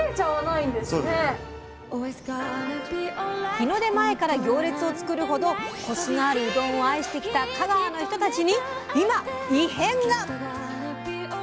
日の出前から行列を作るほどコシのあるうどんを愛してきた香川の人たちに今異変が！